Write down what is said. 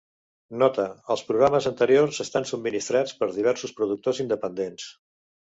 Nota: Els programes anteriors estan subministrats per diversos productors independents.